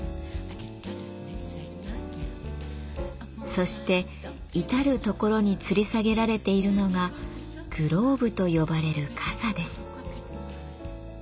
そして至る所につり下げられているのがグローブと呼ばれるかさです。